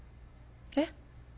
えっ？